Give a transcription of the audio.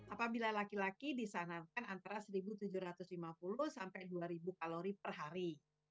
apabila laki laki disanarkan antara seribu tujuh ratus lima puluh sampai dua ribu kalori per hari